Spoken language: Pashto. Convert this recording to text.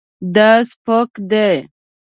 دا سپک دی